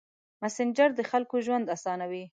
مسېنجر د خلکو ژوند اسانوي.